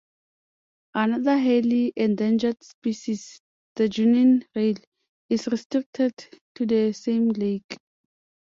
Another highly endangered species, the Junin rail, is restricted to the same lake.